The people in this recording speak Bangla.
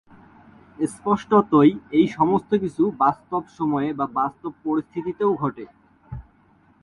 স্পষ্টতই, এই সমস্ত কিছু বাস্তব সময়ে বা বাস্তব পরিস্থিতিতে ঘটে।